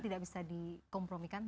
tidak bisa di kompromikan